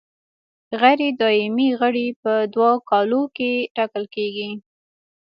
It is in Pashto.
غیر دایمي غړي په دوو کالو کې ټاکل کیږي.